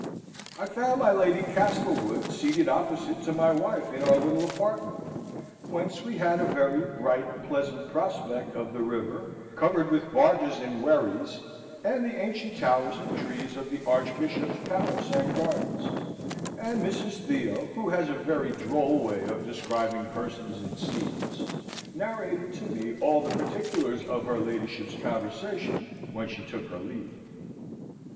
I found my Lady Castlewood seated opposite to my wife in our little apartment (whence we had a very bright, pleasant prospect of the river, covered with barges and wherries, and the ancient towers and trees of the Archbishop's palace and gardens), and Mrs. Theo, who has a very droll way of describing persons and scenes, narrated to me all the particulars of her ladyship's conversation, when she took her leave.